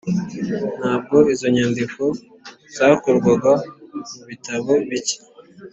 Ntabwo izo nyandiko zakurwaga mu bitabo bike,